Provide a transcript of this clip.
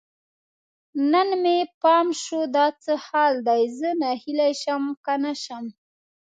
نن مې پام شو، دا څه حال دی؟ زه ناهیلی شم که نه شم